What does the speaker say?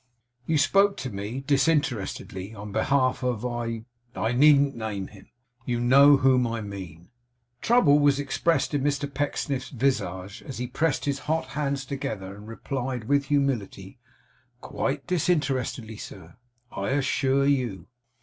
You spoke to me, disinterestedly, on behalf of I needn't name him. You know whom I mean.' Trouble was expressed in Mr Pecksniff's visage, as he pressed his hot hands together, and replied, with humility, 'Quite disinterestedly, sir, I assure you.